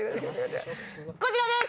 こちらです！